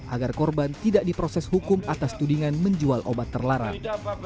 agar korban tidak diproses hukum atas tudingan menjual obat terlarang